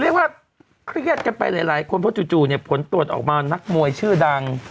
เรียกว่าเครียดกันไปหลายคนเพราะจู่เนี่ยผลตรวจออกมานักมวยชื่อดัง